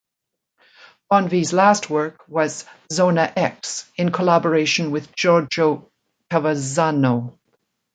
Bonvi's last work was "Zona X", in collaboration with Giorgio Cavazzano.